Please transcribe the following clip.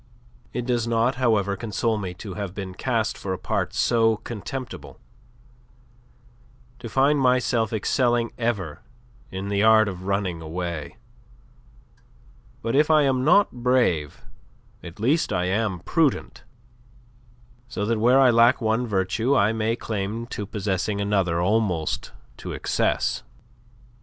It does not, however, console me to have been cast for a part so contemptible, to find myself excelling ever in the art of running away. But if I am not brave, at least I am prudent; so that where I lack one virtue I may lay claim to possessing another almost to excess.